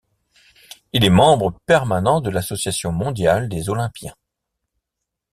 Il est membre permanent de l’Association mondiale des Olympiens.